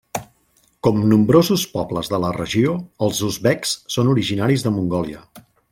Com nombrosos pobles de la regió, els uzbeks són originaris de Mongòlia.